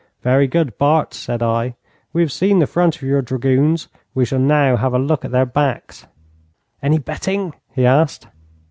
'Very good, Bart,' said I. 'We have seen the front of your dragoons. We shall now have a look at their backs.' 'Any betting?' he asked.